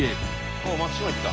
あっ松島行った。